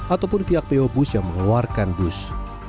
ataupun pihak teobus yang mengeluarkan bus